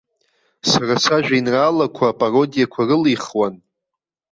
Сара сажәеинраалақәа апародиақәа рылихуан.